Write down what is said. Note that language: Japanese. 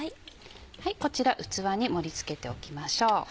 こちら器に盛り付けておきましょう。